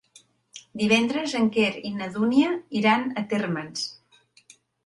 Divendres en Quer i na Dúnia iran a Térmens.